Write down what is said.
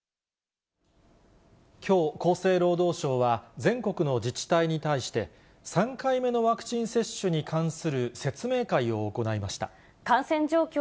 きょう、厚生労働省は全国の自治体に対して、３回目のワクチン接種に関する説明会を行いました。